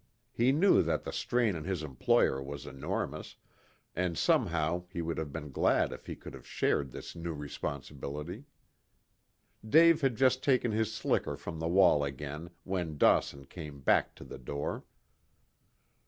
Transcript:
He knew that the strain on his employer was enormous, and somehow he would have been glad if he could have shared this new responsibility. Dave had just taken his slicker from the wall again when Dawson came back to the door.